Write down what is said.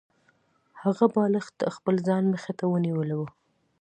هغه بالښت د خپل ځان مخې ته نیولی و